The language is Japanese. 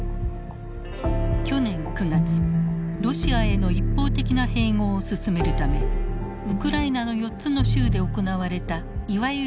去年９月ロシアへの一方的な併合を進めるためウクライナの４つの州で行われたいわゆる住民投票。